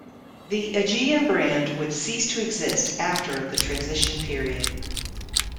The Aegean brand would cease to exist after the transition period.